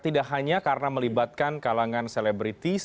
tidak hanya karena melibatkan kalangan selebritis